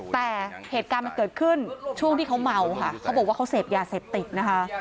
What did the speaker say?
แต่เหตุการณ์มันเกิดขึ้นช่วงที่เขาเมาค่ะเขาบอกว่าเขาเสพยาเสพติดนะคะ